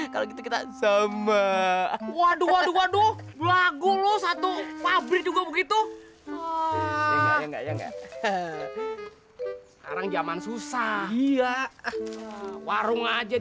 kalau gitu kita sama waduh waduh lagu lu satu pabrik juga begitu sekarang zaman susah warung aja